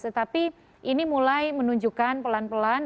tetapi ini mulai menunjukkan pelan pelan